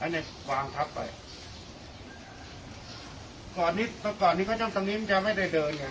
ได้แล้วก็ไอ้เน็ตวางทัพไปก่อนนี้ก่อนนี้ก็ช่องตรงนี้มันจะไม่ได้เดินไง